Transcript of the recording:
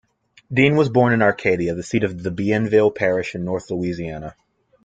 Dean was born in Arcadia, the seat of Bienville Parish in north Louisiana.